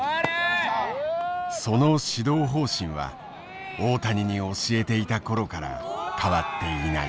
その指導方針は大谷に教えていた頃から変わっていない。